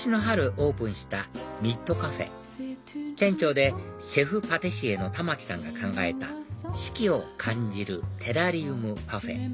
オープンしたＭＩＤｃａｆ店長でシェフパティシエの玉置さんが考えた四季を感じるテラリウムパフェ